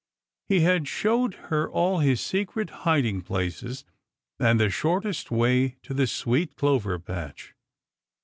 He had showed her all his secret hiding places and the shortest way to the sweet clover patch.